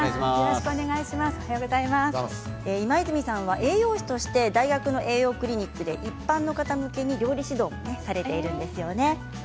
今泉さんは栄養士として大学の栄養クリニックで一般の方向けに料理指導もされているんですよね。